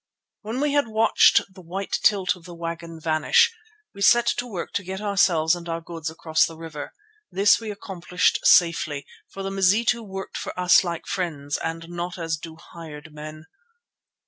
When we had watched the white tilt of the wagon vanish, we set to work to get ourselves and our goods across the river. This we accomplished safely, for the Mazitu worked for us like friends and not as do hired men.